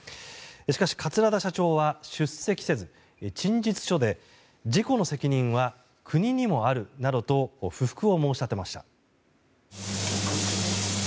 しかし、桂田社長は出席せず陳述書で事故の責任は国にもあるなどと不服を申し立てました。